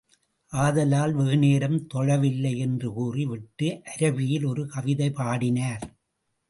ஆதலால், வெகுநேரம் தொழவில்லை என்று கூறி விட்டு, அரபியில் ஒரு கவிதை பாடினார்.